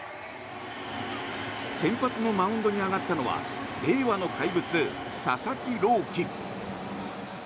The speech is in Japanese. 先発のマウンドに上がったのは令和の怪物、佐々木朗希。